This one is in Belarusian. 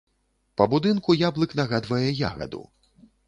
Па будынку яблык нагадвае ягаду.